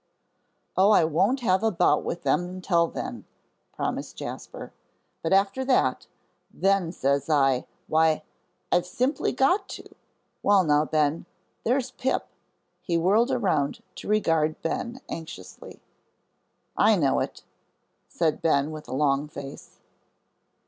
"Oh, I won't have a bout with them until then," promised Jasper. "But after that then says I, why, I've simply got to. Well now, Ben, there's Pip!" He whirled around to regard Ben anxiously. "I know it," said Ben, with a long face.